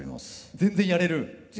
全然やれる。